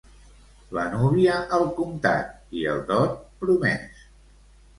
La núvia, al comptat, i el dot, promès.